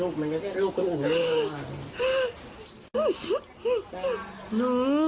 ลูกมันก็ได้ลูกก็ตายเลย